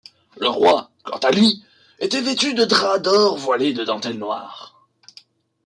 Le roi, quant à lui, était vêtu de drap d'or voilé de dentelle noire.